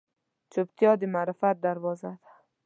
چوپتیا، د معرفت دروازه ده.